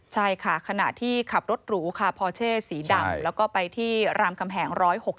ใช่ค่ะขณะที่ขับรถหรูค่ะพอเช่สีดำแล้วก็ไปที่รามคำแหง๑๖๐